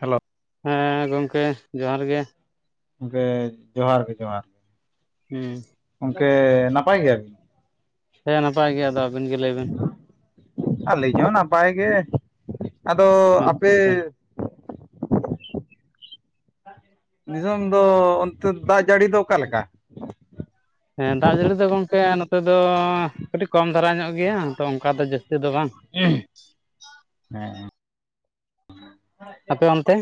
Hello. ᱦᱮᱸ ᱜᱚᱢᱠᱮ ᱡᱚᱦᱟᱨ ᱜᱮ ᱾ ᱜᱚᱢᱠᱮ ᱡᱚᱦᱟᱨ ᱜᱮ ᱡᱚᱦᱟᱨ ᱾ ᱦᱩᱸ ᱾ ᱜᱚᱝᱠᱮ ᱱᱟᱯᱟᱭ ᱜᱮᱭᱟ ᱵᱤᱱ? ᱦᱮᱸ ᱱᱟᱯᱟᱭ ᱜᱮ, ᱟᱫᱚ ᱟᱹᱵᱤᱱ ᱜᱮ ᱞᱟᱹᱭ ᱵᱤᱱ ᱻ ᱟᱹᱞᱤᱧ ᱦᱚᱸ ᱱᱟᱯᱟᱭ ᱜᱮ ᱾ ᱟᱫᱚ ᱟᱪᱪᱷᱟ ᱟᱯᱮ ᱟᱪᱪᱷᱟ ᱱᱤᱛᱳᱝ ᱫᱚ ᱚᱱᱛᱮ ᱫᱟᱜ ᱡᱟᱹᱲᱤ ᱫᱚ ᱚᱠᱟᱞᱮᱠᱟ? ᱦᱮᱸ ᱫᱟᱜ ᱡᱟᱹᱲᱤ ᱫᱚ ᱜᱚᱢᱠᱮ ᱱᱚᱛᱮ ᱫᱚ ᱠᱟᱹᱴᱤᱡ ᱠᱚᱢ ᱫᱷᱟᱨᱟ ᱧᱚᱜ ᱜᱮᱭᱟ ᱛᱚ ᱚᱱᱠᱟ ᱫᱚ ᱡᱟᱹᱥᱛᱤ ᱫᱚ ᱵᱟᱝ ᱾ ᱦᱮᱸ ᱾ ᱟᱯᱮ ᱚᱱᱛᱮ?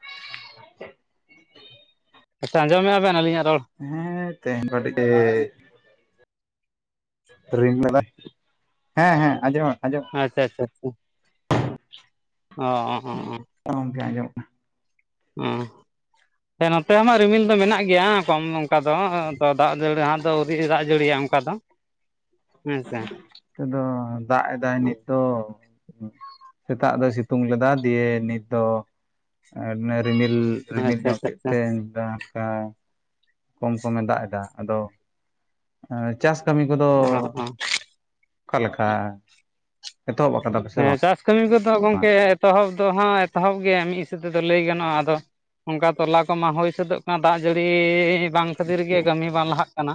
[inaudible] ᱟᱪᱪᱷᱟ ᱟᱸᱡᱚᱢᱮᱜ-ᱟ ᱵᱮᱱ ᱟᱹᱞᱤᱧᱟᱜ ᱨᱚᱲ? ᱦᱮᱸ ᱛᱮᱦᱮᱧ ᱫᱚ ᱠᱟᱴᱤᱡ ᱮ [unintelligible] ᱦᱮᱸ ᱦᱮᱸ ᱟᱸᱡᱚᱢ ᱟᱸᱡᱚᱢᱚᱜ ᱟᱪᱪᱷᱟ ᱟᱪᱪᱷᱟ ᱟᱪᱪᱷᱟ, ᱚ ᱦᱮᱸ ᱾ ᱜᱚᱢᱠᱮ ᱟᱸᱡᱚᱢᱚᱜ ᱚ ᱾ ᱦᱮᱸ ᱱᱚᱛᱮ ᱦᱚ ᱢᱟ ᱨᱤᱢᱤᱞ ᱫᱚ ᱢᱮᱱᱟᱜ ᱜᱮᱭᱟ ᱠᱚᱢ ᱚᱝᱠᱟ ᱫᱚ ᱛᱚ ᱫᱟᱜ ᱡᱟᱹᱲᱤ ᱦᱟᱸᱜ ᱫᱚ ᱟᱹᱣᱨᱤ ᱫᱟᱜ ᱡᱟᱹᱲᱤᱭᱤᱭᱟ ᱚᱱᱠᱟ ᱫᱚ ᱾ ᱦᱮᱸ ᱥᱮ ᱾ ᱱᱚᱛᱮ ᱫᱚ ᱫᱟᱜ ᱮᱫᱟᱭ ᱱᱤᱛ ᱫᱚ ᱾ ᱥᱮᱛᱟᱜ ᱫᱚᱭ ᱥᱤᱛᱩᱝ ᱞᱮᱫᱟ ᱫᱤᱭᱮ ᱱᱤᱛ ᱫᱚ ᱨᱤᱢᱤᱞ ᱨᱤᱢᱤᱞ ᱟᱪᱪᱷᱟ ᱧᱚᱜ ᱠᱮᱫ ᱟᱪᱪᱷᱟ ᱟᱪᱪᱷᱟ ᱛᱮ ᱫᱟᱜ ᱱᱟᱛᱮ ᱦᱚᱸ ᱠᱚᱢ ᱠᱚᱢᱮ ᱫᱟᱜ ᱮᱫᱟ, ᱟᱫᱚ ᱪᱟᱥ ᱠᱟᱹᱢᱤ ᱠᱚᱫᱚ ᱚ ᱚ ᱚᱠᱟ ᱞᱮᱠᱟ? ᱦᱮᱸ ᱪᱟᱥ ᱠᱟᱹᱢᱤ ᱠᱚᱫᱚ ᱜᱚᱝᱠᱮ ᱮᱛᱚᱦᱚᱵ ᱫᱚ ᱦᱟᱸᱜ ᱮᱛᱚᱦᱚᱵ ᱜᱮ ᱢᱤᱫ ᱦᱤᱥᱟᱹᱵᱽ ᱛᱮᱫᱚ ᱞᱟᱹᱭ ᱜᱟᱱᱚᱜᱼᱟ, ᱟᱫᱚ ᱚᱱᱠᱟ ᱛᱚᱞᱟ ᱠᱚᱢᱟ ᱦᱩᱭ ᱥᱟᱹᱛᱚᱜ ᱠᱟᱱᱟ ᱫᱟᱜ ᱡᱟᱹᱲᱤᱻ ᱵᱟᱝ ᱠᱷᱟᱹᱛᱤᱨ ᱜᱮ ᱠᱟᱹᱢᱤ ᱵᱟᱝ ᱞᱟᱦᱟᱜ ᱠᱟᱱᱟ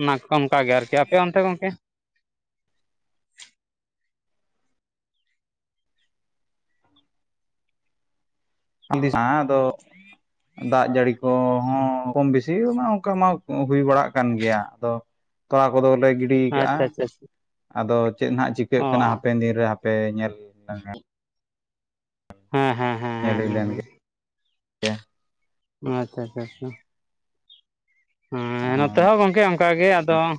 ᱚᱱᱟ ᱠᱚ ᱚᱱᱠᱟ ᱜᱮ ᱟᱨᱠᱤ ᱟᱯᱮ ᱚᱱᱛᱮ ᱜᱚᱢᱠᱮ ᱟᱸ ᱟᱫᱚ ᱫᱟᱜ ᱡᱟᱹᱲᱤ ᱠᱚᱦᱚᱸ ᱠᱚᱢ ᱵᱮᱥᱤ ᱢᱟ ᱚᱱᱠᱟ ᱢᱟ ᱦᱩᱭ ᱵᱟᱲᱟᱜ ᱠᱟᱱ ᱜᱮᱭᱟ ᱟᱫᱚ ᱛᱚᱞᱟ ᱠᱚᱫᱚᱞᱮ ᱜᱤᱰᱤ ᱠᱟᱜᱼᱟ ᱟᱪᱪᱷᱟ ᱟᱪᱪᱷᱟ ᱟᱪᱪᱷᱟ ᱟᱫᱚ ᱪᱮᱫ ᱦᱟᱸᱜ ᱪᱤᱠᱟᱹᱜ ᱚ ᱠᱟᱱᱟ ᱦᱟᱯᱮᱱ ᱫᱤᱱᱨᱮ ᱦᱟᱯᱮ ᱧᱮᱞ [unintelligible] ᱦᱮᱸ ᱦᱮᱸ ᱦᱮᱸ ᱧᱮᱞ ᱦᱮᱸ ᱦᱩᱭ ᱦᱮᱸ ᱞᱮᱱᱜᱮ ᱦᱮᱸ ᱟᱪᱪᱷᱟ ᱟᱪᱷᱟ ᱟᱪᱷᱟ ᱦᱮᱸ ᱱᱚᱛᱮ ᱦᱚᱸ ᱜᱚᱝᱠᱮ ᱚᱱ ᱚᱱᱠᱟᱜᱮ ᱟᱫᱚ ᱦᱟᱸᱜ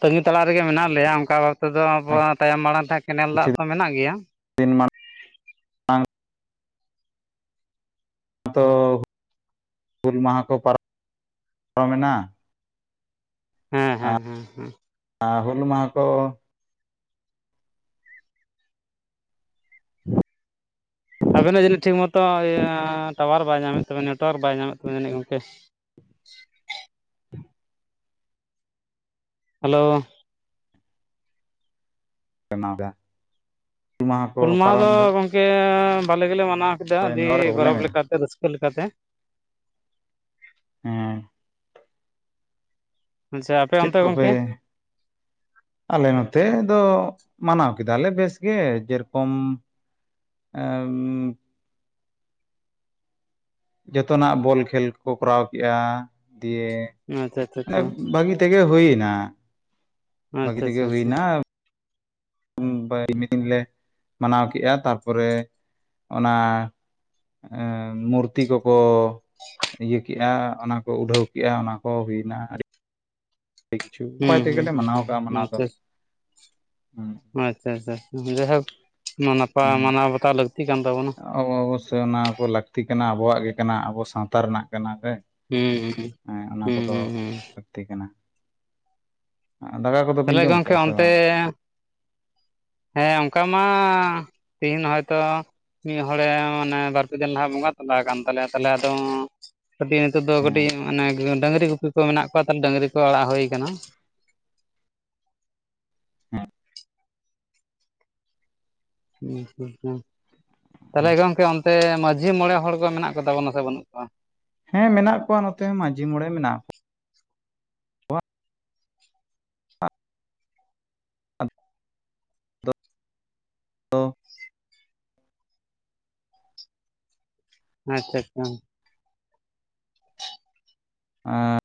ᱛᱟᱹᱜᱤ ᱛᱟᱲᱟ ᱨᱮᱜᱮ ᱢᱮᱱᱟᱜ ᱞᱮᱭᱟ ᱚᱱᱠᱟ ᱛᱮᱫᱚ ᱟᱵᱚᱣᱟᱜ ᱛᱟᱭᱚᱢ ᱢᱟᱲᱟᱝ ᱛᱮ ᱠᱮᱱᱮᱞ ᱫᱟᱜ ᱠᱤᱪᱷᱩ ᱛᱚ ᱢᱮᱱᱟᱜ ᱜᱮᱭᱟ ᱫᱤᱱ ᱢᱟᱱ [inaudible] ᱛᱚ ᱦᱩᱞ ᱢᱟᱦᱟ ᱠᱚ ᱯᱟᱨᱚᱢ [inaudible] ᱮᱱᱟ ᱦᱮᱸ ᱦᱮᱸ ᱦᱮᱸ ᱦᱮᱸ ᱟᱨ ᱦᱩᱞ ᱢᱟᱦᱟ ᱠᱚ ᱟᱵᱮᱱᱟᱜ ᱡᱟᱹᱱᱤᱡ ᱴᱷᱤᱠ ᱢᱚᱛᱚ ᱤᱭᱟᱹ ᱴᱟᱣᱟᱨ ᱵᱟᱭ ᱧᱟᱢᱮᱫ ᱛᱟᱵᱮᱱ ᱱᱮᱴᱚᱣᱟᱨᱠ ᱵᱟᱭ ᱧᱟᱢᱮᱫ ᱛᱟᱵᱮᱱ ᱡᱟᱹᱱᱤᱡ ᱜᱚᱢᱠᱮ ᱦᱮᱞᱳ [inaudible] ᱦᱩᱞ ᱢᱟᱦᱟ ᱫᱚ ᱜᱚᱢᱠᱮ ᱵᱷᱟᱞᱮ ᱜᱮᱞᱮ ᱢᱟᱱᱟᱣ ᱠᱮᱫᱟ ᱦᱳᱭ ᱟᱹᱰᱤ ᱱᱚᱣᱟ ᱯᱨᱚᱵᱞᱮᱢ ᱜᱚᱨᱚᱵᱽ ᱮᱫᱟ ᱞᱮᱠᱟᱛᱮ ᱨᱟᱹᱥᱠᱟᱹ ᱞᱮᱠᱟᱛᱮ ᱦᱮᱸ ᱟᱪᱪᱷᱟ ᱟᱯᱮ ᱪᱮᱫ ᱚᱱᱛᱮ ᱠᱚᱯᱮ ᱜᱚᱢᱠᱮ ᱟᱞᱮ ᱱᱚᱛᱮ ᱫᱚ ᱢᱟᱱᱟᱣ ᱠᱮᱫᱟ ᱞᱮ ᱵᱮᱥ ᱜᱮ‌ ᱡᱮᱨᱚᱠᱚᱢ ᱮᱢ ᱡᱚᱛᱚᱱᱟᱜ ᱵᱚᱞ ᱠᱷᱮᱞ ᱠᱚᱠᱚ ᱠᱚᱨᱟᱣ ᱠᱮᱜ‌ᱼᱟ ᱫᱤᱭᱮ ᱟᱪᱪᱷᱟ ᱟᱪᱪᱷᱟ ᱚᱱᱮ ᱟᱪᱪᱷᱟ ᱵᱷᱟᱹᱜᱤ ᱛᱮᱜᱮ ᱦᱩᱭᱱᱟ ᱵᱦᱟᱜᱤ ᱟᱪᱪᱷᱟ ᱛᱮᱜᱮ ᱟᱪᱪᱷᱟ ᱟᱪᱪᱷᱟ ᱦᱩᱭᱱᱟ ᱵᱟ ᱢᱤ ᱫᱤᱱ ᱞᱮ ᱢᱟᱱᱟᱣ ᱠᱮᱜᱼᱟ ᱛᱟᱨᱯᱚᱨᱮ ᱚᱱᱟ ᱮ ᱢᱩᱨᱛᱤ ᱠᱚᱠᱚ ᱤᱭᱟᱹ ᱠᱮᱜᱼᱟ ᱚᱱᱟ ᱠᱚ ᱩᱰᱷᱟᱹᱣ ᱠᱮᱜᱼᱟ ᱚᱱᱟ ᱠᱚ ᱦᱩᱭᱱᱟ ᱟᱹᱰᱤ ᱠᱤᱪᱷᱩ ᱩᱯᱟᱭ ᱦᱩᱸ ᱛᱮ ᱦᱩᱸ ᱜᱮᱞᱮ ᱦᱩᱸ ᱢᱟᱱᱟᱣ ᱟᱠᱟᱫᱟ ᱦᱩᱸ ᱢᱟᱱᱟᱣ ᱫᱚ ᱾ ᱟᱪᱪᱷᱟ ᱟᱪᱪᱷᱟ ᱟᱪᱪᱷᱟ ᱡᱟᱭᱦᱳᱠ ᱱᱟᱯᱟᱭ ᱢᱟᱱᱟᱣ ᱵᱟᱛᱟᱣ ᱞᱟᱹᱠᱛᱤ ᱠᱟᱱ ᱛᱟᱵᱚᱱᱟ ᱾ ᱚ ᱚᱵᱚᱥᱳᱭ ᱚᱱᱟ ᱠᱚ ᱞᱟᱹᱠᱛᱤ ᱠᱟᱱᱟ ᱟᱵᱚᱣᱟᱜ ᱜᱮ ᱠᱟᱱᱟ ᱟᱵᱚ ᱥᱟᱶᱛᱟ ᱨᱮᱱᱟᱜ ᱠᱟᱱᱟ ᱥᱮ ᱦᱩᱸ ᱦᱩᱸ ᱾ ᱦᱮᱸ ᱚᱱᱟ ᱦᱩᱸ ᱠᱚᱫᱚ ᱦᱩᱸ ᱦᱩᱸ ᱞᱟᱹᱠᱛᱤ ᱠᱟᱱᱟ ᱾ ᱫᱟᱠᱟ ᱠᱚᱫᱚ ᱵᱤᱱ ᱛᱟᱦᱚᱞᱮ ᱡᱚᱢ ᱜᱚᱢᱠᱮ ᱠᱮᱜᱼᱟ ᱥᱮ ᱚᱱᱛᱮ ᱵᱟᱝ? ᱦᱮᱸ ᱚᱱᱠᱟ ᱢᱟ ᱛᱤᱦᱤᱧ ᱦᱚᱭᱛᱚ ᱢᱤᱫ ᱦᱚᱲᱮ ᱢᱟᱱᱮ ᱵᱟᱨᱯᱮ ᱫᱤᱱ ᱞᱟᱦᱟ ᱵᱚᱸᱜᱟ ᱛᱟᱸᱞᱟ ᱟᱠᱟᱱ ᱛᱟᱞᱮᱭᱟ ᱛᱟᱦᱚᱞᱮ ᱟᱫᱚ ᱠᱟᱹᱴᱤᱡ ᱱᱤᱛᱚᱜ ᱫᱚ ᱦᱮᱸ ᱠᱟᱹᱴᱤᱡ ᱢᱟᱱᱮ ᱰᱟᱹᱝᱨᱤ ᱜᱩᱯᱤ ᱠᱚ ᱢᱮᱱᱟᱜ ᱠᱚᱣᱟ ᱛᱚ ᱰᱟᱹᱝᱨᱤ ᱠᱚ ᱟᱲᱟᱜ ᱦᱳᱭ ᱠᱟᱱᱟ ᱾ ᱦᱮᱸ ᱦᱩᱸ [inaudible] ᱛᱟᱦᱞᱮ ᱜᱚᱝᱠᱮ ᱥᱮ ᱢᱟᱺᱡᱷᱤ ᱢᱚᱸᱬᱮ ᱦᱚᱲ ᱠᱚ ᱢᱮᱱᱟᱜ ᱠᱚᱛᱟᱵᱚᱱᱟ ᱥᱮ ᱵᱟᱹᱱᱩᱜ ᱠᱚᱣᱟ ᱾ ᱦᱮᱸ ᱢᱮᱱᱟᱜ ᱠᱚᱣᱟ ᱱᱚᱛᱮ ᱢᱟᱺᱡᱷᱤ ᱢᱚᱸᱬᱮ ᱢᱮᱱᱟᱜ ᱠᱚᱣᱟ ᱾ [inaudible] [inaudible] ᱟᱪᱪᱷᱟ ᱟᱪᱪᱷᱟ ᱟᱸᱻ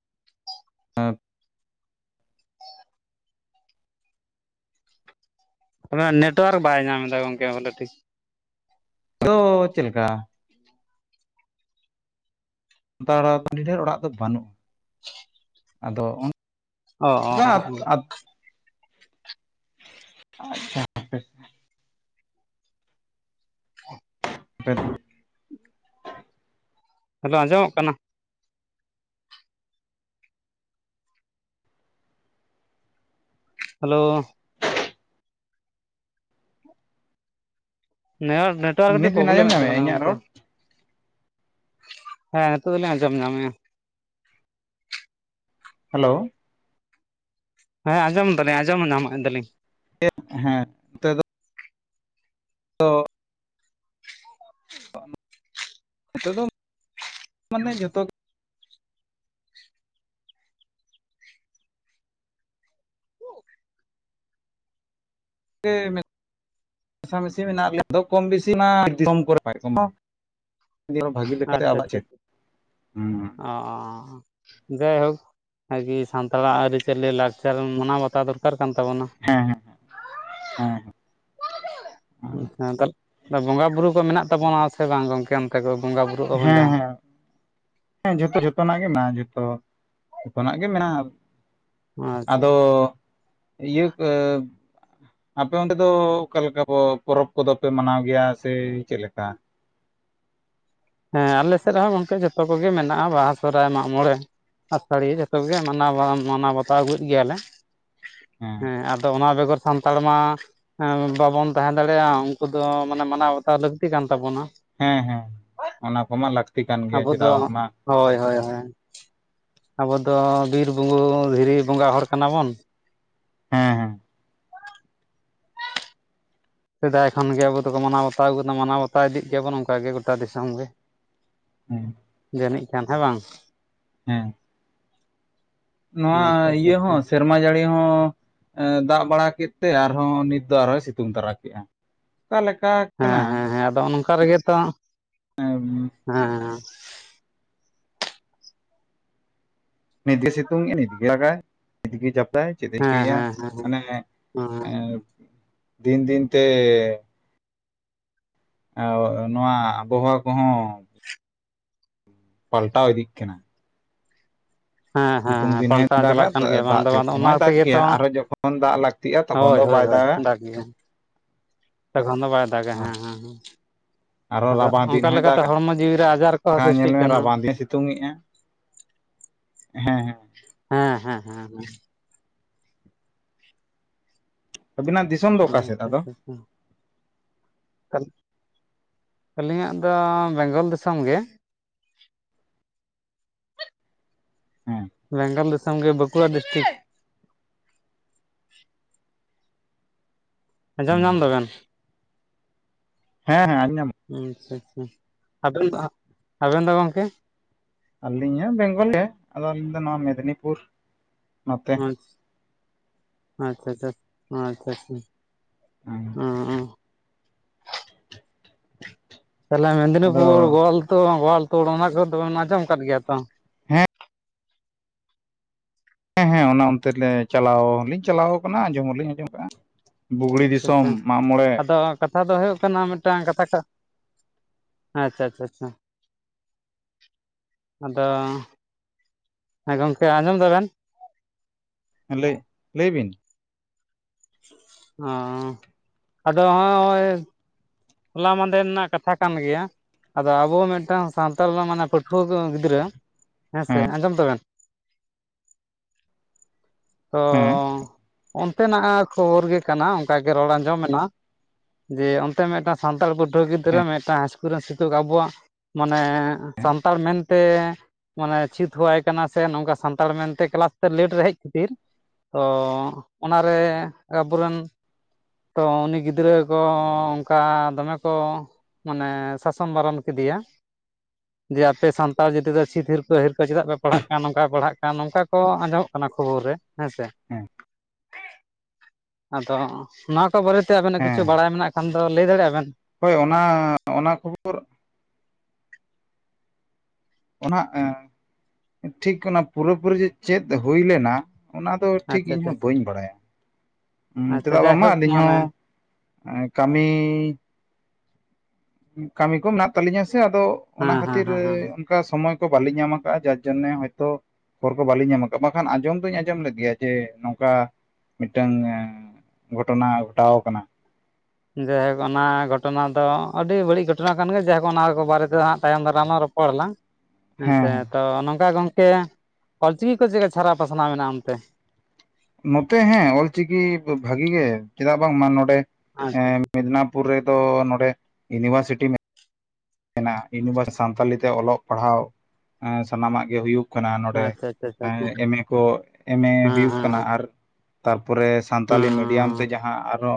ᱚᱱᱟ ᱱᱮᱴᱣᱟᱨᱠ ᱵᱟᱭ ᱧᱟᱢ ᱮᱫᱟ ᱜᱚᱝᱠᱮ ᱵᱷᱟᱞᱮ ᱴᱷᱤᱠ ᱛᱚ ᱪᱮᱜ ᱞᱮᱠᱟ ᱫᱟᱲᱟ ᱫᱚ ᱰᱷᱮᱨ ᱚᱲᱟᱜ ᱫᱚ ᱵᱟᱹᱱᱩᱜᱼᱟ ᱟᱫᱚ ᱚ ᱚᱱᱠᱟ ᱚ ᱚ [inaudible] [inaudible] ᱯᱮ ᱜᱷᱚ ᱦᱮᱞᱳ ᱟᱸᱡᱚᱢᱚᱜ ᱠᱟᱱᱟ ᱦᱮᱞᱳ ᱱᱮ ᱦᱚᱨ ᱰᱟᱰᱟ ᱱᱤᱛ ᱠᱟᱹᱴᱤᱡ ᱵᱤᱱ ᱟᱸᱡᱚᱢ ᱯᱨᱚᱵᱞᱮᱢᱮᱫ ᱧᱟᱢᱮᱫᱼᱟ ᱛᱟᱵᱮᱱᱟ ᱤᱧᱟᱹᱜ ᱨᱚᱲ ᱜᱚᱝᱠᱮ ᱦᱮᱸ ᱱᱤᱛᱚᱜ ᱫᱚ ᱞᱤᱧ ᱟᱸᱡᱚᱢ ᱧᱟᱢᱮᱫᱼᱟ ᱾ ᱦᱮᱞᱳ ᱦᱮ ᱸ ᱟᱡᱚᱢ ᱫᱟᱞᱤᱧ ᱟᱡᱚᱢ ᱧᱟᱢᱟᱜ ᱫᱟᱹᱞᱤᱧ ᱮᱯ ᱦᱮᱸ ᱚᱻ ᱱᱚᱛᱮ ᱫᱚ ᱢᱟᱱᱮ ᱡᱚᱛᱚ ᱜᱮ [unintelligible] [unintelligible] ᱦᱩᱸ ᱟᱸᱻᱟᱸᱻᱟᱜᱼᱟ ᱡᱟᱭᱦᱳᱠ ᱟᱨᱠᱤ ᱥᱟᱱᱛᱟᱲᱟᱜ ᱟᱹᱨᱤᱪᱟᱹᱞᱤ ᱞᱟᱠᱪᱟᱨ ᱢᱟᱱᱟᱣ ᱵᱟᱛᱟᱣ ᱫᱚᱨᱠᱟᱨ ᱠᱟᱱ ᱛᱟᱵᱚᱱᱟ ᱾ ᱦᱮᱸ ᱦᱮᱸ ᱦᱮ ᱛᱟᱨ ᱯᱚᱨᱮ ᱵᱚᱸᱜᱟ ᱵᱩᱨᱩ ᱠᱚ ᱢᱮᱱᱟᱜ ᱛᱟᱵᱚᱱᱟ ᱥᱮ ᱵᱟᱝ ᱜᱚᱝᱠᱮ ᱚᱱᱠᱟᱜᱚ ᱵᱚᱸᱜᱟ ᱵᱩᱨᱩᱜ ᱟᱵᱚᱱ ᱡᱟᱦᱟᱸ ᱾ ᱮᱸ ᱡᱚᱛᱚ ᱡᱚᱛᱚᱱᱟᱜ ᱜᱮ ᱢᱮᱱᱟᱜᱼᱟ ᱡᱚᱛᱚ ᱡᱚᱛᱚᱱᱟᱜ ᱜᱮ ᱢᱮᱱᱟᱜᱼᱟ ᱾ ᱟᱪᱪᱷᱟ ᱟᱫᱚ ᱤᱭᱟᱹ ᱯᱮ ᱟᱯᱮ ᱚᱱᱛᱮ ᱫᱚ ᱚᱠᱟ ᱞᱮᱠᱟ ᱯᱚ ᱯᱚᱨᱚᱵᱽ ᱠᱚᱫᱚ ᱯᱮ ᱢᱟᱱᱟᱣ ᱜᱮᱭᱟ ᱥᱮ ᱪᱮᱫ ᱞᱮᱠᱟ ᱦᱮᱸ ᱟᱞᱮ ᱥᱮᱫ ᱨᱮᱦᱚᱸ ᱚᱱᱠᱟ ᱡᱚᱛᱚ ᱠᱚᱜᱮ ᱢᱮᱱᱟᱜᱼᱟ ᱵᱟᱦᱟ ᱥᱚᱦᱚᱨᱟᱭ ᱢᱟᱜᱽ ᱢᱚᱸᱬᱮ ᱟᱛᱟᱹᱲᱤ ᱡᱚᱛᱚ ᱜᱮ ᱢᱟᱱᱟ ᱢᱟᱱᱟᱣ ᱵᱟᱱ ᱢᱟᱱᱟᱣ ᱵᱟᱛᱟᱣ ᱟᱹᱜᱩᱭᱮᱫ ᱜᱮᱭᱟᱞᱮ ᱦᱮᱸ ᱟᱫᱚ ᱚᱱᱟ ᱵᱮᱜᱚᱨ ᱥᱟᱱᱛᱟᱲ ᱢᱟ ᱵᱟᱵᱚᱱ ᱛᱟᱦᱮᱸ ᱫᱟᱲᱮᱭᱟᱜᱼᱟ ᱩᱱᱠᱩ ᱫᱚ ᱢᱟᱱᱮ ᱢᱟᱱᱟᱣ ᱵᱟᱛᱟᱣ ᱞᱟᱹᱠᱛᱤ ᱠᱟᱱ ᱛᱟᱵᱚᱱᱟ ᱾ ᱦᱮᱸ ᱦᱮᱸ ᱚᱱᱟ ᱠᱚᱢᱟ ᱞᱟᱠ ᱟᱵᱚ ᱫᱚ ᱦᱳᱭ ᱦᱳᱭ ᱦᱳᱭ ᱟᱵᱚᱫᱚ ᱵᱤᱨ ᱵᱩᱨᱩ ᱫᱷᱤᱨᱤ ᱵᱚᱸᱜᱟ ᱦᱚᱲ ᱠᱟᱱᱟᱵᱚᱱ ᱾ ᱦᱮᱸ ᱦᱮᱸ ᱥᱮᱫᱟᱭ ᱠᱷᱚᱱᱜᱮ ᱟᱵᱚ ᱫᱚᱠᱚ ᱢᱟᱱᱟᱣ ᱵᱟᱛᱟᱣ ᱟᱜᱩ ᱟᱱᱟ ᱢᱟᱱᱟᱣ ᱵᱟᱛᱟᱣ ᱤᱫᱤᱜ ᱜᱮᱭᱟᱵᱚᱱ ᱚᱱᱠᱟ ᱜᱮ ᱜᱚᱴᱟ ᱫᱤᱥᱚᱢ ᱜᱮ ᱾ ᱦᱮᱸ ᱡᱟᱹᱱᱤᱡ ᱠᱷᱟᱱ ᱦᱮᱸ ᱵᱟᱝ ᱦᱮᱸ ᱱᱚᱣᱟ ᱟᱪᱪᱷᱟ ᱟᱪᱪᱷᱟ ᱤᱭᱟᱹ ᱦᱚᱸ ᱥᱮᱨᱢᱟ ᱡᱟᱹᱲᱤ ᱦᱚᱸ ᱮᱸᱻᱫᱟᱜ ᱵᱟᱲᱟ ᱠᱮᱫ ᱛᱮ ᱟᱨᱦᱚᱸ ᱱᱤᱛ ᱫᱚ ᱟᱨᱦᱚᱸᱚᱭ ᱥᱤᱛᱩᱝ ᱛᱟᱨᱟ ᱠᱮᱫᱼᱟ ᱚᱠᱟ ᱞᱮᱠᱟ ᱠᱟᱱᱟ ᱥᱟᱨᱤ ᱜᱮᱛᱚ [unintelligible] ᱦᱮᱸ ᱱᱤᱛ ᱜᱮ ᱥᱤᱛᱩᱝᱜ ᱜᱮ ᱱᱤᱛ ᱜᱮ ᱫᱟᱜᱟᱭ ᱱᱤᱛ ᱜᱮ ᱡᱟᱯ ᱫᱟᱭ ᱪᱮᱫ ᱦᱮᱸ ᱦᱮᱸ ᱦᱮᱸ [unintelligible] ᱢᱟᱱᱮ ᱦᱮᱸ ᱮᱸᱻ ᱫᱤᱱ ᱫᱤᱱ ᱛᱮ ᱟᱣᱚᱜ ᱱᱚᱣᱟ ᱟᱵᱚᱦᱟᱣᱟ ᱠᱚᱦᱚᱸ ᱯᱟᱞᱴᱟᱣ ᱤᱫᱤᱜ ᱠᱟᱱᱟ ᱦᱮᱸ ᱦᱮᱸ ᱥᱤᱛᱩᱝ ᱦᱮᱸ ᱫᱤᱱ ᱦᱚᱭ ᱯᱟᱞᱴᱟᱣ ᱫᱟᱜᱟ ᱪᱟᱞᱟᱜ ᱠᱟᱱ ᱜᱮᱭᱟ ᱵᱟᱝ ᱫᱟᱜ ᱫᱚ ᱵᱟᱝ ᱫᱤᱱ ᱱᱚᱜ ᱚᱱᱟ ᱢᱟᱭ ᱫᱟᱜ ᱛᱮᱜᱮ ᱛᱚ ᱜᱮᱭᱟ ᱟᱨᱦᱚᱸ ᱡᱚᱠᱷᱚᱱ ᱫᱟᱜ ᱞᱟᱹᱠᱛᱤᱜᱼᱟ ᱛᱚᱠᱷᱚᱱ ᱦᱳᱭ ᱫᱚ ᱦᱳᱭ ᱵᱟᱭ ᱦᱳᱭ ᱫᱟᱜᱟ ᱫᱟᱜ ᱜᱮᱭᱟ ᱛᱚᱠᱷᱚᱱ ᱫᱚ ᱵᱟᱭ ᱫᱟᱠᱼᱟ ᱦᱮᱸ ᱦᱮᱸ ᱦᱮᱸ ᱟᱨᱦᱚᱸ ᱟᱫᱚ ᱨᱟᱵᱟᱝ ᱫᱤᱱ ᱚᱱᱠᱟ ᱦᱚᱭ ᱞᱮᱠᱟᱛᱮ ᱫᱟᱜᱟ ᱦᱚᱲᱢᱚ ᱡᱤᱣᱤ ᱨᱮ ᱟᱡᱟᱨ ᱠᱚᱦᱚᱸ ᱵᱟᱠᱷᱟᱱ ᱧᱮᱞ ᱥᱤᱥᱴᱤᱜ ᱢᱮ ᱠᱟᱱᱟ ᱨᱟᱵᱟᱝ ᱫᱤᱱ ᱥᱤᱛᱩᱝ ᱮᱜ ᱟ ᱦᱮᱸ ᱦᱮᱸ ᱦᱮᱸ ᱦᱮᱸ ᱦᱮᱸ ᱦᱮᱸ ᱟᱵᱤᱱ ᱟᱜ ᱫᱤᱥ [unintelligible] ᱟᱹᱞᱤᱧᱟᱜ ᱫᱚ ᱵᱮᱝᱜᱚᱞ ᱫᱤᱥᱚᱢ ᱜᱮ [inaudible] ᱵᱮᱝᱜᱚᱞ ᱫᱤᱥᱚᱢ ᱜᱮ ᱵᱟᱸᱠᱩᱲᱟ ᱰᱤᱥᱴᱤᱠ᱾ ᱟᱸᱡᱚᱢ ᱧᱟᱢ ᱫᱟᱵᱮᱱ᱾ ᱦᱮᱸ ᱟᱸᱡᱚᱢ ᱧᱟᱢ ᱟᱪᱪᱷᱟ ᱟᱪᱪᱷᱟ ᱟᱵᱮᱱ ᱫᱚ, ᱟᱵᱮᱱ ᱫᱚ ᱜᱚᱝᱠᱮ? ᱟᱹᱞᱤᱧ ᱦᱚᱸ ᱵᱮᱝᱜᱚᱞ ᱨᱮ ᱟᱫᱚ ᱟᱹᱞᱤᱧ ᱫᱚ ᱱᱚᱣᱟ ᱢᱮᱫᱽᱱᱤᱯᱩᱨ᱾ ᱱᱚᱛᱮ ᱦᱩᱸ, ᱟᱪᱷᱟ ᱟᱪᱪᱷᱟ, ᱟᱪᱪᱷᱟ ᱟᱪᱪᱷᱟ᱾ ᱦᱮᱸ ᱚ ᱚ ᱛᱟᱦᱞᱮ ᱟᱫᱚ ᱢᱮᱫᱽᱱᱤᱯᱩᱨ, ᱜᱳᱣᱟᱞᱛᱩ, ᱜᱳᱣᱟᱞᱛᱩᱳᱲ ᱚᱱᱟ ᱠᱚᱫᱚᱵᱮᱱ ᱟᱸᱡᱚᱢ ᱟᱠᱟᱫ ᱜᱮᱭᱟ ᱛᱚ? ᱦᱮᱸ᱾ ᱦᱮᱸ ᱦᱮᱸ ᱚᱱᱟ ᱚᱱᱛᱮ ᱞᱮ ᱪᱟᱞᱟᱣ ᱦᱚᱸ ᱞᱤᱧ ᱪᱟᱞᱟᱣ ᱟᱠᱟᱱᱟ ᱟᱸᱡᱚᱢ ᱦᱚᱞᱤᱧ ᱟᱸᱡᱚᱢ ᱟᱠᱟᱟᱜᱼᱟ᱾ ᱵᱩᱜᱽᱲᱤ ᱟᱪᱪᱷᱟ ᱫᱤᱥᱚᱢ ᱟᱪᱪᱷᱟ ᱢᱟᱜ ᱢᱚᱬᱮ ᱟᱫᱚ ᱠᱟᱛᱷᱟ ᱫᱚ ᱦᱩᱭᱩᱜ ᱠᱟᱱᱟ ᱢᱤᱫᱴᱟᱝ ᱠᱟᱛᱷᱟ ᱟᱪᱪᱷᱟ ᱟᱪᱪᱷᱟ ᱟᱪᱪᱷᱟ᱾ ᱟᱫᱚ ᱜᱚᱝᱠᱮ ᱟᱸᱡᱚᱢ ᱫᱟᱵᱮᱱ? ᱞᱟᱹᱭ, ᱞᱟᱹᱭ ᱵᱤᱱ᱾ ᱚ, ᱟᱫᱚ ᱦᱚᱸᱜ-ᱚ ᱚᱭ ᱦᱚᱞᱟ ᱢᱟᱸᱫᱷᱮᱨ ᱨᱮᱱᱟᱜ ᱠᱟᱛᱷᱟ ᱠᱟᱱ ᱜᱮᱭᱟ᱾ ᱟᱫᱚ ᱟᱵᱚ ᱢᱤᱫᱴᱟᱝ ᱥᱟᱱᱛᱟᱲ ᱨᱮᱱᱟᱜ ᱢᱟᱱᱮ ᱯᱟᱹᱴᱷᱩᱣᱟᱹ ᱠᱚ ᱜᱤᱫᱽᱨᱟᱹ ᱦᱮᱸᱥᱮ, ᱦᱮᱸ ᱟᱸᱡᱚᱢ ᱛᱟᱵᱮᱱ? ᱦᱮᱸ ᱚ ᱚᱱᱛᱮᱱᱟᱜ ᱠᱷᱚᱵᱚᱨ ᱜᱮ ᱠᱟᱱᱟ ᱚᱝᱠᱟᱜᱮ ᱨᱚᱲ ᱟᱸᱡᱚᱢᱮᱱᱟ ᱡᱮ, ᱚᱱᱛᱮ ᱢᱮᱫᱴᱟᱝ ᱥᱟᱱᱛᱟᱲ ᱯᱟᱹᱴᱷᱩᱣᱟᱹ ᱜᱤᱫᱽᱨᱟᱹ ᱢᱤᱫᱴᱟᱝ ᱦᱟᱭ ᱤᱥᱠᱩᱞ ᱨᱮᱱ ᱥᱤᱛᱩᱠ ᱟᱵᱚᱣᱟᱜ ᱢᱟᱱᱮ ᱦᱮᱸ ᱥᱟᱱᱛᱟᱲ ᱢᱮᱱᱛᱮ ᱢᱟᱱᱮ ᱪᱷᱤ ᱛᱷᱩᱣᱟᱭ ᱠᱟᱱᱟ ᱥᱮ ᱱᱚᱝᱠᱟ ᱥᱟᱱᱛᱟᱲ ᱢᱮᱱᱛᱮ ᱠᱮᱞᱟᱥ ᱛᱮ ᱞᱮᱴ ᱨᱮ ᱦᱮᱡ ᱠᱷᱟᱹᱛᱤᱨ ᱚ, ᱚᱱᱟᱨᱮ ᱟᱵᱚᱨᱮᱱ ᱛᱚ, ᱩᱱᱤ ᱜᱤᱫᱽᱨᱟᱹ ᱠᱚ ᱚᱝᱠᱟ ᱫᱚᱢᱮ ᱠᱚ ᱢᱟᱱᱮ ᱥᱟᱥᱚᱱ ᱵᱟᱨᱚᱢ ᱠᱮᱫᱮᱭᱟ᱾ [inaudible] ᱡᱮ ᱟᱯᱮ ᱥᱟᱱᱛᱟᱲ ᱡᱟᱹᱛᱤ ᱫᱚ ᱥᱤ ᱦᱤᱨᱯᱟᱹ ᱦᱤᱨᱠᱟᱹ ᱪᱮᱫᱟᱜ ᱯᱮ ᱯᱟᱲᱦᱟᱜ ᱠᱟᱱ ᱱᱚᱝᱠᱟᱭ ᱯᱟᱲᱦᱟᱜ ᱠᱟᱱ ᱱᱚᱝᱠᱟ ᱠᱚ ᱟᱸᱡᱚᱢᱚᱜ ᱠᱟᱱᱟ ᱠᱷᱚᱵᱚᱨ ᱨᱮ᱾ ᱦᱳᱭ ᱥᱮ ᱦᱮᱸ ᱟᱫᱚ ᱱᱚᱣᱟ ᱠᱚ ᱵᱟᱨᱮ ᱛᱮ ᱟᱵᱮᱱᱟᱜ ᱠᱤᱪᱷᱩ ᱦᱮᱸ ᱵᱟᱲᱟᱭ ᱢᱮᱱᱟᱜ ᱮᱠᱷᱟᱱ ᱫᱚ ᱞᱟᱹᱭ ᱫᱟᱲᱮᱜ-ᱟ ᱵᱮᱱ? ᱦᱳᱭ ᱚᱱᱟ ᱚᱱᱟ ᱠᱷᱚᱵᱚᱨ ᱱᱟᱦᱟᱜ ᱮᱸ ᱴᱷᱤᱠ ᱚᱱᱟ ᱯᱩᱨᱟᱹ ᱯᱩᱨᱤ ᱡᱮ ᱪᱮᱫ ᱦᱳᱭ ᱞᱮᱱᱟ ᱚᱱᱟ ᱫᱚ ᱴᱷᱤᱠ ᱟᱪᱪᱷᱟ ᱤᱧ ᱟᱪᱪᱷᱟ ᱦᱚᱸ ᱟᱪᱪᱷᱟ ᱵᱟᱹᱧ ᱵᱟᱲᱟᱭᱟ ᱩᱸ ᱟᱪᱪᱷᱟ ᱪᱮᱫᱟᱜ ᱵᱟᱝᱢᱟ ᱡᱟᱭᱦᱳᱠ ᱟᱞᱤᱧ ᱢᱟᱱᱮ ᱦᱚᱸ ᱠᱟᱹᱢᱤ ᱠᱟᱹᱢᱤ ᱠᱚ ᱢᱮᱱᱟᱜ ᱛᱟᱞᱤᱧᱟ ᱥᱮ ᱟᱫᱚ ᱚᱱᱟ ᱦᱮᱸ ᱦᱮᱸ ᱠᱷᱟᱹᱛᱤᱨ ᱦᱮᱸ ᱦᱮᱸ ᱚᱝᱠᱟ ᱥᱚᱢᱚᱭ ᱠᱚ ᱵᱟᱞᱤ ᱧᱟᱢ ᱠᱟᱜᱼᱟ ᱡᱟᱨ ᱡᱚᱱᱱᱮ ᱦᱚᱭᱛᱳ ᱠᱷᱚᱵᱚᱨ ᱠᱚ ᱵᱟᱞᱤᱧ ᱧᱟᱢ ᱠᱟᱜ-ᱟ ᱵᱟᱠᱷᱟᱱ ᱟᱸᱡᱚᱢ ᱫᱩᱧ ᱟᱸᱡᱚᱢ ᱞᱮᱫ ᱜᱮᱭᱟ ᱡᱮ ᱱᱚᱝᱠᱟ ᱢᱤᱫᱴᱟᱝ ᱜᱷᱚᱴᱚᱱᱟ ᱜᱷᱚᱴᱟᱣ ᱠᱟᱱᱟ ᱡᱟᱭᱦᱳᱠ ᱚᱱᱟ ᱜᱷᱚᱴᱚᱱᱟ ᱫᱚ ᱟᱹᱰᱤ ᱵᱟᱹᱲᱤᱡ ᱜᱷᱚᱴᱚᱱᱟ ᱠᱟᱱ ᱜᱮᱭᱟ ᱡᱟᱭᱦᱳᱠ ᱚᱱᱟ ᱠᱚ ᱵᱟᱨᱮᱛᱮ ᱦᱟᱸᱜ ᱛᱟᱭᱚᱢ ᱫᱟᱨᱟᱢ ᱞᱟᱝ ᱨᱚᱯ ᱯᱚᱲᱟᱞᱟᱝ ᱦᱮᱸ ᱦᱮᱸᱥᱮ ᱦᱮᱸ ᱛᱚ ᱱᱚᱝᱠᱟ ᱜᱚᱝᱠᱮ ᱚᱞᱪᱤᱠᱤ ᱠᱚ ᱪᱮᱫᱠᱟ ᱪᱷᱟᱨᱟᱣ ᱯᱟᱥᱱᱟᱣ ᱢᱮᱱᱟᱜᱼᱟ ᱚᱱᱛᱮ? ᱱᱚᱛᱮ ᱦᱮᱸ ᱚᱞᱪᱤᱠᱤ ᱵᱷᱟᱹᱜᱮ ᱜᱮ ᱪᱮᱫᱟᱜ ᱵᱟᱝᱢᱟ ᱱᱚᱸᱰᱮ ᱟᱪᱪᱷᱟ ᱮᱸᱻ ᱟᱪᱪᱷᱟ ᱢᱮᱫᱱᱟ ᱯᱩᱨ ᱨᱮᱫᱚ ᱱᱚᱸᱰᱮ ᱤᱭᱩᱱᱤᱵᱷᱟᱨᱥᱤᱴᱤ ᱢᱮᱱᱟ ᱢᱮᱱᱟᱜ-ᱟ, ᱤᱭᱩᱱᱤᱵᱷᱟᱨ ᱥᱟᱱᱛᱟᱞᱤ ᱛᱮ ᱚᱞᱚᱜ ᱯᱟᱲᱦᱟᱣ ᱥᱟᱱᱟᱢᱟᱜ ᱜᱮ ᱦᱩᱭᱩᱜ ᱠᱟᱱᱟ ᱱᱚᱸᱰᱮ ᱟᱪᱪᱷᱟ ᱟᱪᱪᱷᱟ ᱟᱪᱪᱷᱟ ᱮᱢ ᱮ ᱠᱚ ᱮᱢ ᱮ ᱦᱮᱸ ᱦᱩᱭᱩᱜ ᱠᱟᱱᱟ ᱦᱮᱸ ᱟᱨ ᱛᱟᱯᱚᱨᱮ ᱦᱮᱸ ᱥᱟᱱᱛᱟᱞᱤ ᱢᱤᱰᱤᱭᱟᱢ ᱛᱮ ᱡᱟᱦᱟᱸ ᱟᱨᱚ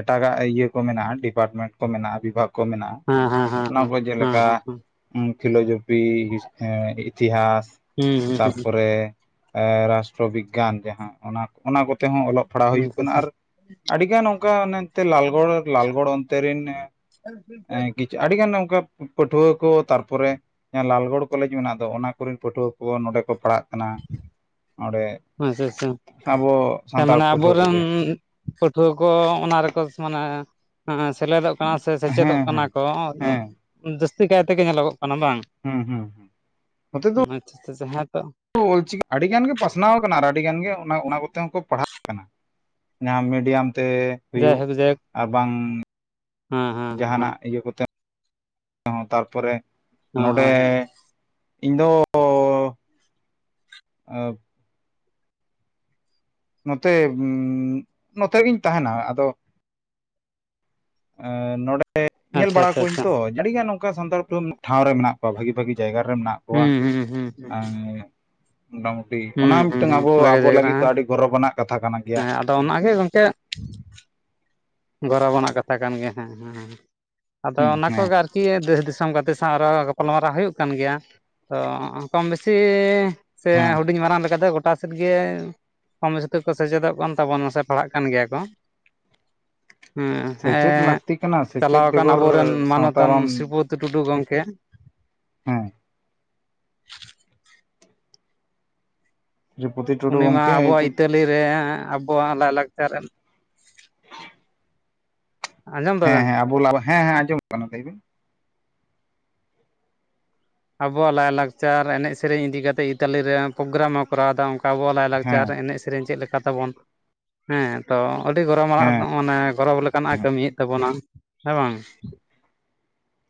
ᱮᱴᱟᱜᱟᱜ ᱤᱭᱟᱹ ᱠᱚ ᱢᱮᱱᱟᱜ-ᱟ ᱰᱤᱯᱟᱨᱴᱢᱮᱱᱴ ᱠᱚ ᱢᱮᱱᱟᱜ-ᱟ ᱵᱤᱵᱷᱟᱜᱽ ᱠᱚ ᱢᱮᱱᱟᱜ-ᱟ᱾ ᱦᱮᱸ ᱦᱮᱸ ᱦᱮᱸ ᱦᱮᱸ ᱦᱮᱸ ᱦᱮᱸ ᱦᱮᱸ ᱯᱷᱤᱞᱳᱡᱚᱯᱤ ᱦᱤᱥ ᱤᱛᱤᱦᱟᱥ ᱛᱟᱨ ᱯᱚᱨᱮ ᱨᱟᱥᱴᱨᱚ ᱵᱤᱜᱽᱜᱟᱱ ᱡᱟᱦᱟᱸ ᱚᱱᱟ ᱚᱱᱟ ᱠᱚᱛᱮ ᱦᱚᱸ ᱚᱞᱚᱜ ᱯᱷᱟᱲᱟᱣ ᱦᱩᱸ ᱦᱩᱸ ᱦᱩᱸ ᱦᱩᱭᱩᱜ ᱠᱟᱱᱟ ᱟᱨ ᱟᱹᱰᱤᱜᱟᱱ ᱚᱱᱠᱟ ᱚᱱᱮ ᱚᱱᱛᱮ ᱞᱟᱞᱜᱚᱲ ᱞᱟᱞᱜᱚᱲ ᱚᱱᱛᱮ ᱨᱤᱱ [unintelligible] ᱟᱹᱰᱤᱜᱟᱱ ᱚᱱᱠᱟ ᱯᱟᱹᱴᱷᱩᱣᱟᱹ ᱠᱚ ᱛᱟᱨᱯᱚᱨᱮ ᱞᱟᱞᱜᱚᱲ ᱠᱚᱞᱮᱡᱽ ᱢᱮᱱᱟᱜ ᱫᱚ ᱚᱱᱟ ᱠᱚᱨᱮᱱ ᱯᱟᱹᱴᱷᱩᱣᱟᱹ ᱠᱚ ᱱᱚᱸᱰᱮ ᱠᱚ ᱯᱟᱲᱦᱟᱜ ᱠᱟᱱᱟ ᱚᱸᱰᱮᱼᱼ ᱟᱪᱪᱷᱟ ᱟᱪᱪᱷᱟ ᱢᱟᱱᱮ ᱯᱟᱹᱴᱷᱩᱣᱟᱹ ᱟᱵᱚᱨᱮᱱ ᱠᱚᱜᱮ ᱯᱟᱹᱴᱷᱩᱣᱟᱹ ᱠᱚ ᱚᱱᱟ ᱨᱮᱠᱚ ᱢᱟᱱᱮ ᱦᱮᱸ ᱥᱮᱞᱮᱫᱚᱜ ᱠᱟᱱᱟ ᱥᱮ ᱥᱮᱪᱮᱫᱚᱜ ᱦᱮᱸ ᱠᱟᱱᱟ ᱦᱮᱸ ᱠᱚ ᱦᱮᱸ ᱡᱟᱹᱥᱛᱤ ᱠᱟᱭ ᱛᱮᱜᱮ ᱧᱮᱞᱚᱜᱚᱜ ᱠᱟᱱᱟ ᱵᱟᱝ? ᱦᱩᱸ ᱦᱩᱸ ᱱᱚᱛᱮ ᱫᱚ ᱟᱪᱪᱷᱟ ᱪᱷᱟ ᱡᱟᱸᱦᱟ ᱴᱟᱜ [unintelligible] ᱚᱞ ᱪᱤᱠᱤ ᱟᱹᱰᱤ ᱜᱟᱱ ᱜᱮ ᱯᱟᱥᱱᱟᱣ ᱟᱠᱟᱱᱟ ᱟᱨ ᱟᱹᱰᱤ ᱜᱟᱱ ᱜᱮ ᱚᱱᱟ ᱚᱱᱟ ᱠᱚᱛᱮ ᱦᱚᱸᱠᱚ ᱯᱟᱲᱦᱟᱜ ᱠᱟᱱᱟ ᱡᱟᱦᱟᱸ ᱢᱤᱰᱤᱭᱟᱢ ᱛᱮ ᱦᱩᱭᱩᱜ ᱡᱟᱭᱦᱳᱠ ᱡᱟᱭᱦᱳᱠ ᱟᱨ ᱵᱟᱝ ᱦᱮᱸ ᱦᱮᱸ ᱦᱮᱸ ᱦᱮᱸ ᱡᱟᱦᱟᱱᱟᱜ ᱤᱭᱟᱹ ᱠᱚᱛᱮ ᱚ ᱛᱟᱨᱯᱚᱨᱮ ᱱᱚᱸᱰᱮ ᱦᱳᱭ ᱤᱧ ᱫᱚ [unintelligible] ᱱᱚᱛᱮ ᱱᱚᱛᱮ ᱜᱤᱧ ᱛᱟᱦᱮᱱᱟ ᱟᱫᱚ ᱱᱚᱰᱮ ᱧᱮᱞ ᱟᱪᱪᱷᱟ ᱵᱟᱲᱟ ᱟᱪᱪᱷᱟ ᱠᱚᱣᱟᱹᱧ ᱟᱪᱪᱷᱟ ᱛᱚ᱾ ᱟᱹᱰᱤᱜᱟᱱ ᱱᱚᱝᱠᱟ ᱥᱟᱱᱛᱟᱲ [unintelligible] ᱴᱷᱟᱣ ᱨᱮ ᱢᱮᱱᱟᱜ ᱠᱚᱣᱟ ᱵᱷᱟᱜᱤ ᱵᱷᱟᱜᱤ ᱡᱟᱭᱜᱟ ᱨᱮ ᱢᱮᱱᱟᱜ ᱦᱩᱸ ᱦᱩᱸ ᱦᱩᱸ [unintelligible] ᱴᱤ ᱦᱩᱸ ᱚᱱᱟ ᱦᱩᱸ ᱢᱤᱫᱴᱟᱝ ᱦᱩᱸ, ᱟᱵᱚ ᱵᱷᱟᱜᱮ ᱟᱵᱚ ᱞᱟᱹᱜᱤᱫ ᱫᱚ ᱟᱹᱰᱤ ᱜᱚᱨᱚᱵ ᱟᱱᱟᱜ ᱠᱟᱛᱷᱟ ᱠᱟᱱᱟ ᱜᱮᱭᱟ᱾ ᱛᱚ ᱚᱱᱟᱜ ᱜᱮ ᱜᱚᱝᱠᱮ ᱜᱚᱨᱚᱵ ᱟᱱᱟᱜ ᱠᱟᱛᱷᱟ ᱠᱟᱱ ᱜᱮ ᱦᱮᱸ ᱦᱮᱸᱸ ᱟᱫᱚ ᱦᱮᱸ ᱚᱱᱟ ᱦᱮᱸ ᱠᱚᱜᱮ ᱟᱨ ᱠᱤ ᱫᱮᱥ ᱫᱤᱥᱚᱢ ᱜᱟᱛᱮ ᱥᱟᱣ ᱜᱟᱯᱟᱞ ᱢᱟᱨᱟᱣ ᱦᱩᱭᱩᱜ ᱠᱟᱱ ᱜᱮᱭᱟ ᱛᱚ ᱠᱚᱢ ᱵᱮᱥᱤᱼᱼ ᱥᱮ ᱦᱮᱸ ᱦᱩᱰᱤᱧ ᱢᱟᱨᱟᱝ ᱞᱮᱠᱟ ᱛᱮ ᱜᱚ ᱚᱠᱟᱥᱮᱫ ᱜᱮ ᱠᱚᱢᱵᱮᱥᱤ ᱛᱮ ᱠᱚ ᱥᱮᱪᱮᱫᱚᱜ ᱠᱟᱱ ᱛᱟᱵᱚᱱ ᱢᱟ ᱥᱮ ᱯᱟᱲᱦᱟᱜ ᱠᱟᱱ ᱜᱮᱭᱟ ᱠᱚᱼᱼ ᱥᱮᱪᱮᱫ ᱞᱟᱹᱠᱛᱤ ᱠᱟᱱᱟ ᱥᱮᱪᱮᱫ ᱪᱟᱞᱟᱣ ᱟᱠᱟᱱ ᱵᱮᱜᱚᱨ ᱟᱵᱚᱨᱮᱱ ᱥᱟᱶᱛᱟ ᱢᱟᱱᱚᱛᱟᱱ ᱵᱟᱢ ᱥᱨᱤᱯᱚᱛᱤ ᱴᱩᱰᱩ ᱜᱚᱢᱠᱮ ᱦᱩᱸ ᱥᱨᱤᱯᱚᱛᱤ ᱴᱩᱰᱩ ᱩᱱᱤ ᱢᱟ ᱜᱚᱢᱠᱮ ᱟᱵᱚᱣᱟᱜ ᱪᱮᱫ ᱤᱛᱟᱹᱞᱤ ᱨᱮ ᱟᱵᱚᱣᱟᱜ ᱞᱟᱭ-ᱞᱟᱠᱪᱟᱨ ᱨᱮᱱ [unintelligible] ᱟᱸᱡᱚᱢ ᱦᱮᱸ ᱫᱟᱵᱮᱱ ᱦᱮᱸ ᱟᱵᱚ [unintelligible] ᱦᱮᱸ ᱦᱮᱸ ᱟᱸᱡᱚᱢ ᱠᱟᱱᱟ ᱞᱟᱹᱭᱵᱤᱱ, ᱟᱵᱚᱣᱟᱜ ᱞᱟᱭᱼᱞᱟᱠᱪᱟᱨ ᱮᱱᱮᱡ ᱥᱮᱨᱮᱧ ᱤᱫᱤ ᱠᱟᱛᱮ ᱤᱛᱟᱞᱤ ᱨᱮ ᱯᱳᱜᱜᱨᱟᱢ ᱦᱚᱸ ᱠᱚᱨᱟᱣᱫᱟ᱾ ᱚᱝᱠᱟ ᱠᱟ ᱟᱵᱚᱣᱟᱜ ᱞᱟᱭᱞᱟᱠᱪᱟᱨ ᱦᱮᱸ ᱮᱱᱮᱡ ᱥᱮᱨᱮᱧ ᱪᱮᱫ ᱞᱮᱠᱟ ᱛᱟᱵᱚᱱ, ᱦᱮᱸ ᱛᱚ ᱟᱹᱰᱤ ᱦᱮᱸ ᱜᱚᱨᱚᱢᱟᱱᱟᱜ ᱢᱟᱱᱮ ᱜᱚᱨᱚᱵᱽ ᱞᱮᱠᱟᱱᱟᱜᱼᱮ ᱠᱟᱹᱢᱤᱭᱮᱫ ᱛᱟᱵᱚᱱᱟ, ᱦᱮᱸ ᱵᱟᱝ?